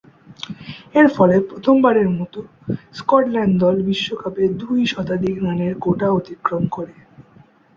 এরফলে প্রথমবারের মতো স্কটল্যান্ড দল বিশ্বকাপে দুই শতাধিক রানের কোটা অতিক্রম করে।